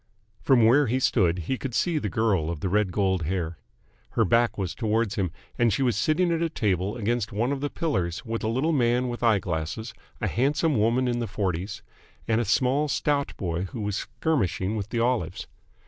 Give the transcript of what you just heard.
From where he stood he could see the girl of the red gold hair. Her back was towards him, and she was sitting at a table against one of the pillars with a little man with eye glasses, a handsome woman in the forties, and a small stout boy who was skirmishing with the olives.